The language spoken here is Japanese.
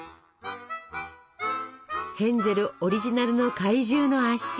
ヘンゼルオリジナルの怪獣の足。